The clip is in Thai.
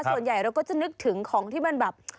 ส่วนใหญ่เราก็จะนึกถึงของที่มันแบบ